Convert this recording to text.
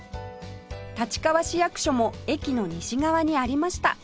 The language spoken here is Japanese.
立川市役所も駅の西側にありました